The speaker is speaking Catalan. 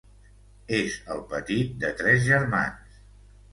És el petit de tres germans.